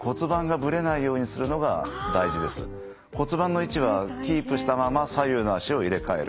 骨盤の位置はキープしたまま左右の脚を入れかえる。